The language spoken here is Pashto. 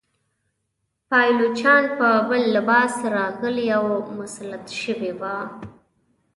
پایلوچان په بل لباس راغلي او مسلط شوي وه.